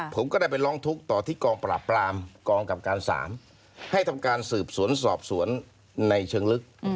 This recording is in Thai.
ผมก็ได้ไปร้องทุกข์ต่อที่กองปราบปรามกองกับการศาลให้ทำการสืบสวนสอบสวนในเชิงลึก